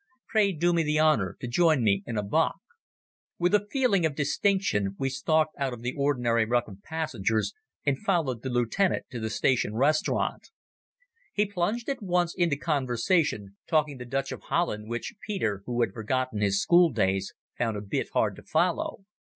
Pray do me the honour to join me in a bock." With a feeling of distinction we stalked out of the ordinary ruck of passengers and followed the lieutenant to the station restaurant. He plunged at once into conversation, talking the Dutch of Holland, which Peter, who had forgotten his school days, found a bit hard to follow.